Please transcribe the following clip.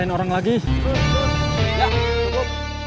penghujung benih viper pes ada